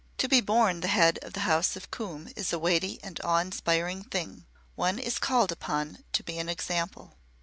To be born the Head of the House is a weighty and awe inspiring thing one is called upon to be an example.